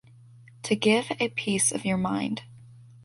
To give a piece of your mind.